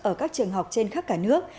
ở các trường học trên khắp cả nước